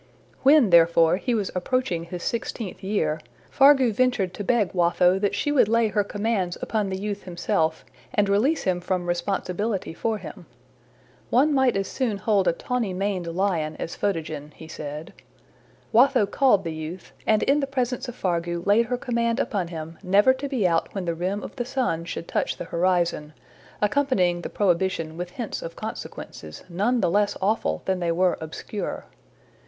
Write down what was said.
When, therefore, he was approaching his sixteenth year, Fargu ventured to beg Watho that she would lay her commands upon the youth himself, and release him from responsibility for him. One might as soon hold a tawny maned lion as Photogen, he said. Watho called the youth, and in the presence of Fargu laid her command upon him never to be out when the rim of the sun should touch the horizon, accompanying the prohibition with hints of consequences, none the less awful than they were obscure.